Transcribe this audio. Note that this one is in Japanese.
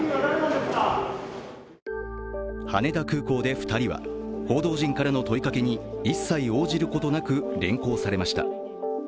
羽田空港で２人は報道陣からの問いかけに一切応じることなく連行されました。